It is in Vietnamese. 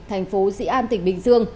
thành phố dĩ an tỉnh bình dương